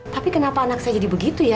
tapi kenapa anak saya jadi begitu ya